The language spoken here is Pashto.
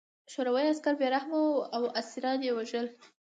شوروي عسکر بې رحمه وو او اسیران یې وژل